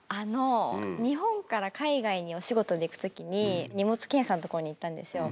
日本から海外にお仕事で行くときに、荷物検査の所に行ったんですよ。